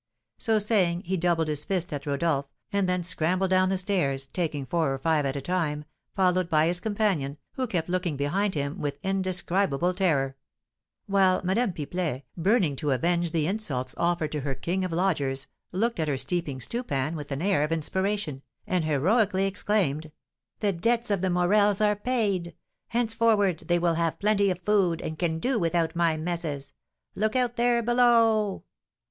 So saying, he doubled his fist at Rodolph, and then scrambled down the stairs, taking four or five at a time, followed by his companion, who kept looking behind him with indescribable terror; while Madame Pipelet, burning to avenge the insults offered to her king of lodgers, looked at her steaming stewpan with an air of inspiration, and heroically exclaimed: "The debts of the Morels are paid! Henceforward they will have plenty of food, and can do without my messes! Look out there below!"